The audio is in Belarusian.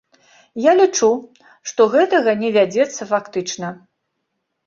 Я лічу, што гэтага не вядзецца фактычна.